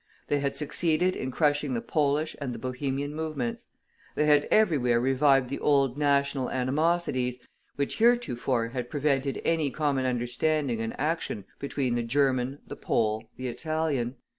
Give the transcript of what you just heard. They had succeeded in crushing the Polish and the Bohemian movements. They had everywhere revived the old national animosities, which heretofore had prevented any common understanding and action between the German, the Pole, the Italian.